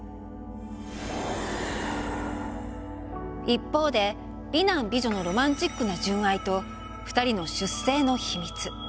一方で美男美女のロマンチックな純愛と２人の出生の秘密。